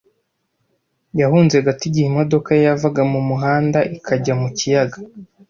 Yahunze gato igihe imodoka ye yavaga mu muhanda ikajya mu kiyaga.